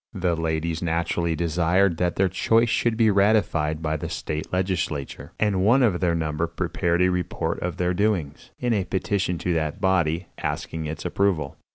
The ladies naturally desired that their choice should be ratified by the state legislature, and one of their number prepared a report of their doings, in a petition to that body, asking its approval.